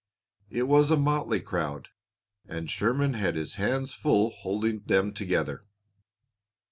It was a motley crowd, and Sherman had his hands full holding them together.